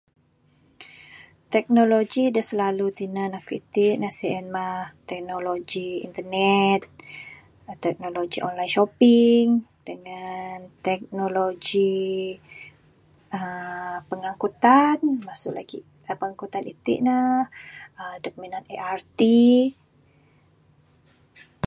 Teknologi dak selalu tinan aku iti sien mah teknologi internet, teknologi online shopping dengan teknologi uhh pengangkutan mesu lagi pengangkutan iti ne uhh dep minan ERT